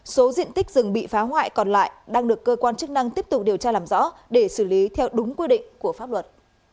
số diện tích rừng bị phá hoại còn lại đang được cơ quan chức năng tiếp tục điều tra làm rõ để xử lý theo đúng quy định của pháp luật